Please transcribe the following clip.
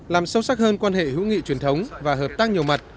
làm sâu sắc hơn quan hệ hữu nghị truyền thống và hợp tác nhiều mặt